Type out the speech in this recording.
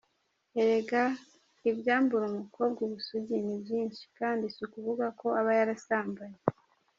Erega ibyambura umukobwa ubusugi ni byinshi kandi si ukuvuga ko aba yarasambanye.